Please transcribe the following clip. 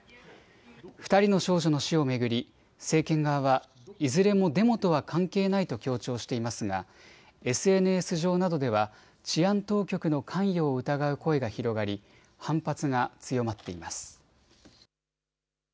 ２人の少女の死を巡り政権側はいずれもデモとは関係ないと強調していますがＳＮＳ上などでは治安当局の関与を疑う声が広がり、反発が強まっています。